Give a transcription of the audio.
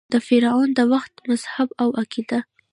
د فرعنوو د وخت مذهب او عقیده :